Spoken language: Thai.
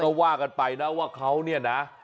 ก็ว่ากันไปนะว่าเขาเนี่ยนะ